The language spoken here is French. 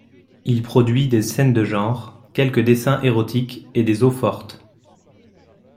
Il produit des scènes de genre, quelques dessins érotiques et des eaux-fortes.